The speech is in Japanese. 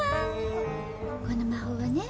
この魔法はね